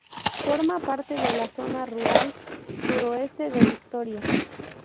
Forma parte de la Zona Rural Suroeste de Vitoria.